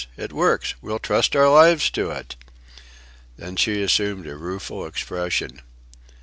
It works! We'll trust our lives to it!" Then she assumed a rueful expression.